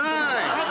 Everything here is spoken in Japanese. はい。